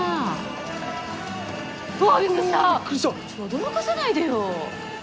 驚かさないでよ！